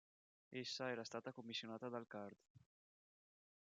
Essa era stata commissionata dal Card.